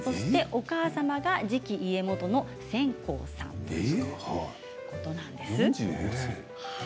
お母様は次期家元の専好さんということなんです。